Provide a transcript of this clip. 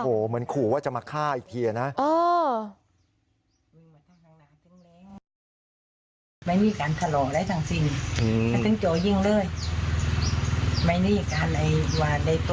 โอ้โหเหมือนขู่ว่าจะมาฆ่าอีกทีนะ